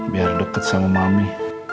biar deket sama mami